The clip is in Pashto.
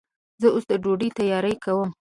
زه اوس د ډوډۍ تیاری کوم.